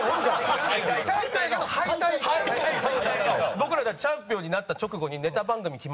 僕らだってチャンピオンになった直後にネタ番組決まったっていって。